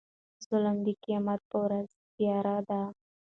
ظلم د قيامت په ورځ تيارې دي